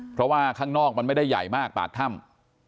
เพราะว่าข้างนอกมันไม่ได้ใหญ่มากปากถ้ำ